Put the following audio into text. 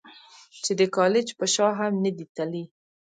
چې د کالج پۀ شا هم نۀ دي تلي -